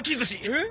えっ？